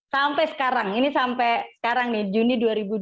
sampai sekarang ini sampai sekarang nih juni dua ribu dua puluh